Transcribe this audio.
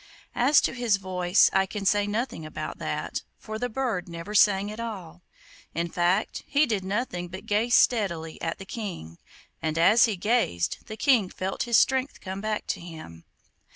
As to his voice I can say nothing about that, for the bird never sang at all. In fact, he did nothing but gaze steadily at the King, and as he gazed, the King felt his strength come back to him.